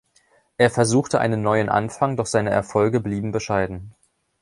Er versuchte einen neuen Anfang, doch seine Erfolge blieben bescheiden.